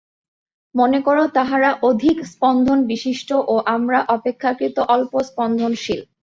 মনে কর, তাহারা অধিক স্পন্দনবিশিষ্ট ও আমরা অপেক্ষাকৃত অল্প স্পন্দনশীল।